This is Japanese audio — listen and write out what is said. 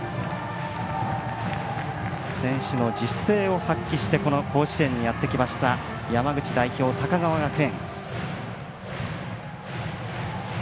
選手の自主性を発揮してこの甲子園にやってきました山口代表、高川学園。